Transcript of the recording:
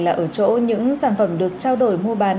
là ở chỗ những sản phẩm được trao đổi mua bán